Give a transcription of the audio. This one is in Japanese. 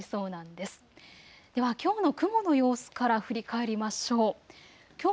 ではきょうの雲の様子から振り返りましょう。